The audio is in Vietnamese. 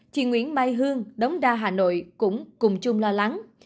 chị nguyễn mai hương đống đa hà nội cũng cùng chung lo lắng